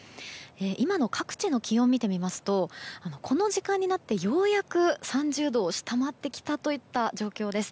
今の各地の気温を見てみますとこの時間になってようやく３０度を下回ってきたといった状況です。